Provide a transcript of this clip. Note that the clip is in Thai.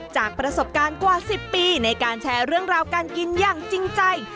จากประสบการณ์กว่า๑๐ปีในการแชร์เรื่องราวการกินอย่างจริงใจ